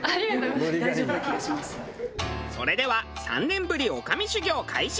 それでは３年ぶり女将修業開始。